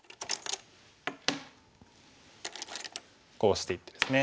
こうしていってですね。